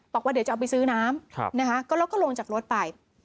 บอกว่าเดี๋ยวจะเอาไปซื้อน้ำนะคะก็แล้วก็ลงจากรถไป